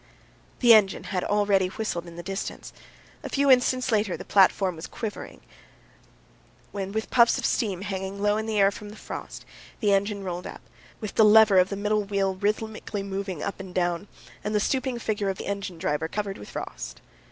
The engine had already whistled in the distance. A few instants later the platform was quivering, and with puffs of steam hanging low in the air from the frost, the engine rolled up, with the lever of the middle wheel rhythmically moving up and down, and the stooping figure of the engine driver covered with frost.